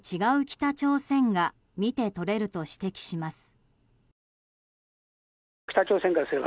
北朝鮮が見て取れると指摘します。